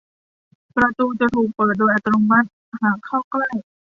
ประตูจะถูกเปิดโดยอัตโนมัติหากเข้าใกล้